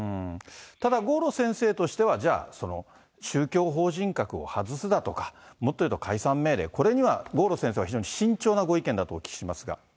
ただ郷路先生としては、じゃあ、その宗教法人格を外すだとか、もっと言うと解散命令、これには郷路先生は非常に慎重なご意見だとお聞きしますが。